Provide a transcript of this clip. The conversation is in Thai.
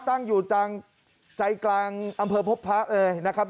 ตั้งอยู่ใจกลางอำเภอพบพระเลยนะครับ